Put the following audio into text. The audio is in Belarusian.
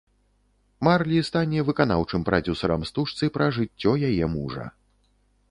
Марлі стане выканаўчым прадзюсарам стужцы пра жыццё яе мужа.